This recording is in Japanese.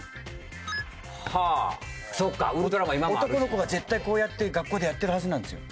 男の子が絶対こうやって学校でやってるはずなんですよ。